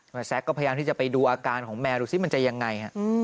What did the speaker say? แซ็กก็พยายามที่จะไปดูอาการของแมวดูสิมันจะยังไง